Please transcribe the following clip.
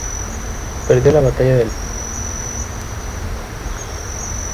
Perdió la batalla del equipo, terminando en puntos solo en cuatro carreras.